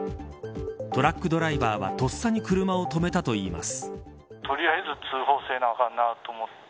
トラックドライバーはとっさに車を止めたといいます。